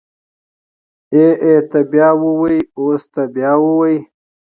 ای ای ته بيا ووی اوس ته بيا ووی.